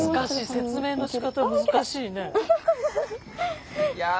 説明のしかた難しいね。